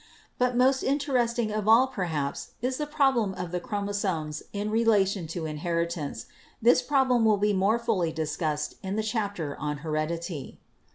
But most interesting of all perhaps is the problem of the chromosomes in relation to inheritance. This problem will be more fully discussed in the chapter on Heredity.